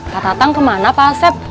pak tatang kemana pak asep